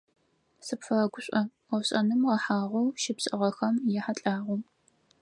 Сыпфэгушӏо ӏофшӏэным гъэхъагъэу щыпшӏыгъэхэм яхьылӏагъэу.